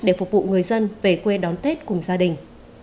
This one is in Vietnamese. để phục vụ người dân về quê đón tết cùng gia đình